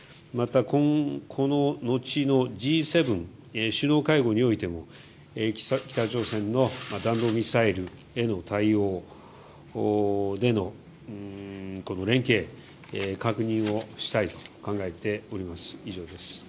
また、こののちのＧ７首脳会合においても北朝鮮の弾道ミサイルへの対応での連携の確認をしたいと考えております。